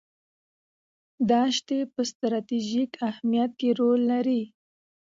دښتې په ستراتیژیک اهمیت کې رول لري.